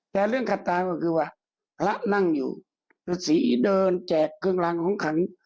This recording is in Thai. แต่เรื่องขัดตาก็คือว่าพระนั่งอยู่ฤษีเดินแจกเครื่องรางของขัง